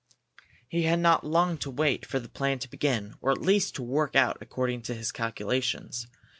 He had not long to wait for the plan to begin, or at least to work out according to his calculations.